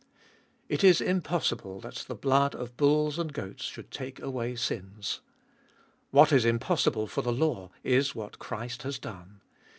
It is impossible that the blood of bulls and goats should 330 ttbe Doltest ot ail take away sins. What is impossible for the law is what Christ has done.